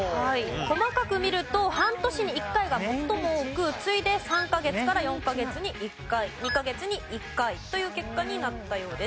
細かく見ると半年に１回が最も多く次いで３カ月から４カ月に１回２カ月に１回という結果になったようです。